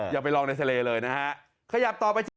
อย่าไปลองในทะเลเลยนะฮะ